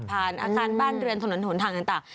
ผ่านอาสารบ้านเรือนถนนถนนทางต่าง